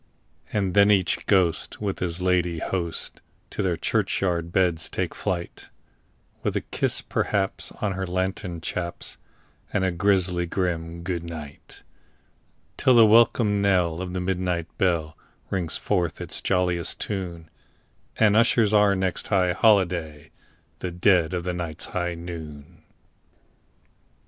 And then each ghost with his ladye toast to their churchyard beds take flight, With a kiss, perhaps, on her lantern chaps, and a grisly grim "good night"; Till the welcome knell of the midnight bell rings forth its jolliest tune, And ushers our next high holiday—the dead of the night's high noon!